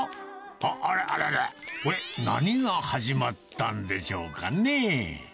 あら、あらら、これ、何が始まったんでしょうかね？